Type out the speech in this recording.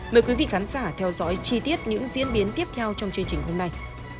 mời quý vị khán giả theo dõi chi tiết những diễn biến tiếp theo trong chương trình hôm nay